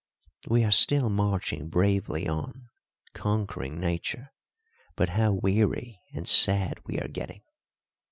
We are still marching bravely on, conquering Nature, but how weary and sad we are getting!